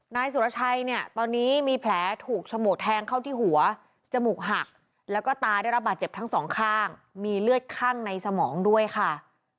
นายสุรชัยเนี่ยตอนนี้มีแผลถูกฉมวกแทงเข้าที่หัวจมูกหักแล้วก็ตาได้รับบาดเจ็บทั้งสองข้างมีเลือดข้างในสมองด้วยค่ะ